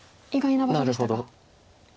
なるほど。